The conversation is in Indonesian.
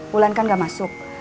pulang kan gak masuk